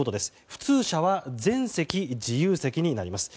普通車は全席自由席になります。